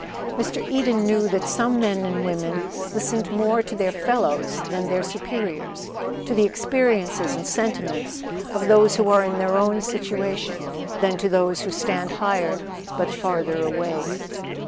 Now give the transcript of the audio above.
Mr. Eden knew that some men and women listen more to their fellows than their superiors to the experiences and sentiments of those who are in their own situation, than to those who stand higher but farther away.